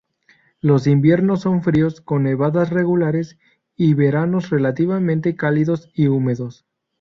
Los inviernos son fríos con nevadas regulares, y veranos relativamente cálidos y húmedos.